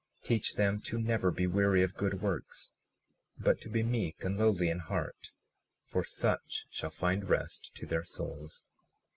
37:34 Teach them to never be weary of good works, but to be meek and lowly in heart; for such shall find rest to their souls.